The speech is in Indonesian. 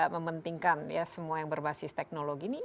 mementingkan ya semua yang berbasis teknologi ini